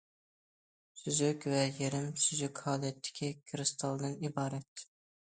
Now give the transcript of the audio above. سۈزۈك ۋە يېرىم سۈزۈك ھالەتتىكى كىرىستالدىن ئىبارەت.